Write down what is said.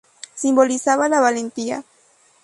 Simbolizaba la valentía.